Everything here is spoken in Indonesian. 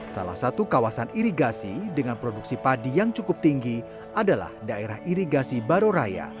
salah satu kawasan irigasi dengan produksi padi yang cukup tinggi adalah daerah irigasi baroraya